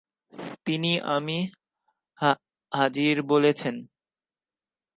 তিনি আমি হাযির বলেছেন।